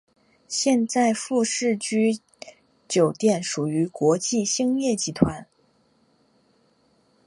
现在富士屋酒店属于国际兴业集团。